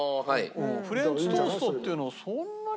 フレンチトーストっていうのはそんなにみんな。